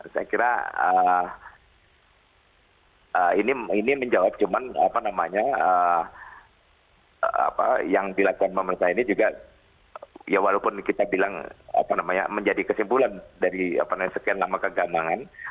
saya kira ini menjawab cuman apa namanya yang dilakukan pemerintah ini juga ya walaupun kita bilang apa namanya menjadi kesimpulan dari sekian lama keganangan